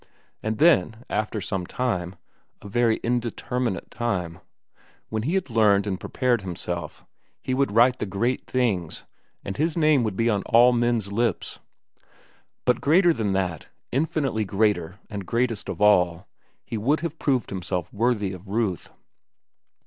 And then, after some time,—a very indeterminate time,—when he had learned and prepared himself, he would write the great things and his name would be on all men's lips. But greater than that, infinitely greater and greatest of all, he would have proved himself worthy of Ruth.